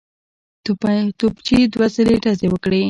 توپچي دوه ځلي ډزې وکړې.